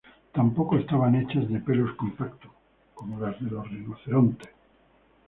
Tampoco estaban hechas de pelos compactos, como las de los rinocerontes.